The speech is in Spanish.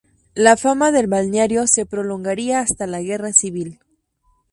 La fama del balneario se prolongaría hasta la Guerra Civil.